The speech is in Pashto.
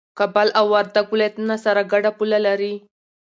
کابل او وردګ ولايتونه سره ګډه پوله لري